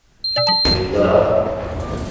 Yeẓra.